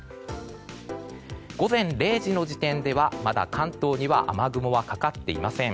午前０時の時点ではまだ関東には雨雲はかかっていません。